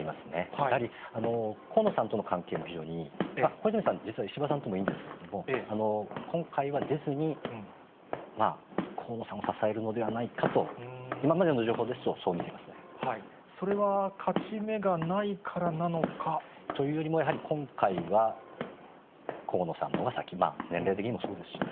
やはり河野さんとの関係も非常にいい、小泉さん、実は石破さんともいいんですけれども、今回は出ずに、河野さんを支えるのではないかと、今までの情報ですと、そう見ていそれは勝ち目がないからなのというよりもやはり、今回は河野さんのほうが先、年齢的にもそうですしね。